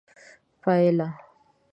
پایله: